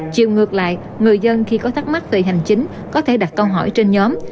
chiều ngược lại người dân khi có thắc mắc về hành chính có thể đặt câu hỏi trên nhóm